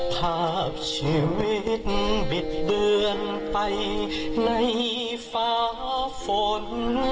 ภาพชีวิตบิดเบือนไปในฟ้าฝน